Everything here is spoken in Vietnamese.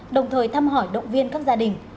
đồng thời thăm hỏi động viên các gia đình